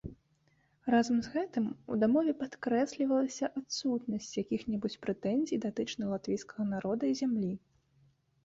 Разам з гэтым, у дамове падкрэслівалася адсутнасць якіх-небудзь прэтэнзій датычна латвійскага народа і зямлі.